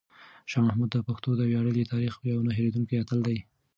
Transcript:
شاه محمود د پښتنو د ویاړلي تاریخ یو نه هېرېدونکی اتل دی.